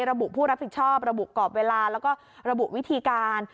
ระบุผู้รับผิดชอบระบุกรอบเวลาแล้วก็ระบุวิธีการ